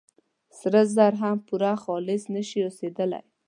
سره زر هم پوره خالص نه شي اوسېدلي.